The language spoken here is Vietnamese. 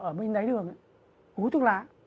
ở bên đáy đường hú thuốc lá